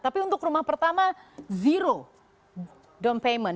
tapi untuk rumah pertama zero down payment